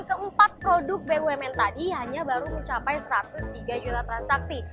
dan keempat produk bumn tadi hanya baru mencapai satu ratus tiga juta transaksi